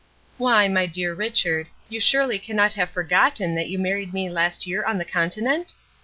"Why, my dear Richard, you surely cannot have forgotten that you married me last year on the Continent?